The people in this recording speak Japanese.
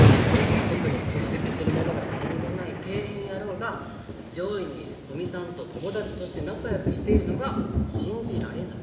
特に突出するものが何もない底辺野郎が上位にいる古見さんと友達として仲よくしているのが信じられない。